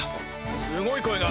すごい声が。